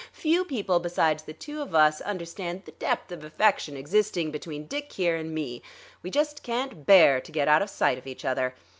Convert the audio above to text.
"Few people besides the two of us understand the depth of affection existing between Dick, here, and me. We just can't bear to get out of sight of each other.